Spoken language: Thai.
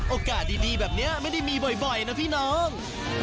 โอกาสดีแบบนี้ไม่ได้มีบ่อยนะพี่น้อง